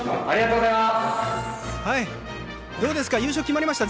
ありがとうございます。